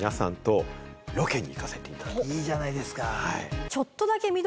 いいじゃないですか。